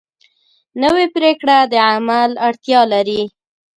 نوې پریکړه د عمل اړتیا لري